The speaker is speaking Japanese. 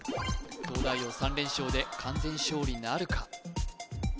東大王３連勝で完全勝利なるか？